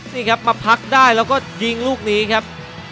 นี่ครับมาพักได้แล้วก็ยิงลูกนี้ครับ